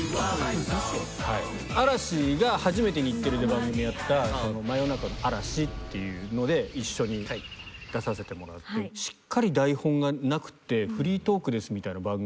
番組やった『真夜中の嵐』っていうので一緒に出させてもらってしっかり台本がなくってフリートークですみたいな番組